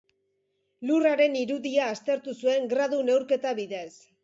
Lurraren irudia aztertu zuen gradu neurketa bidez.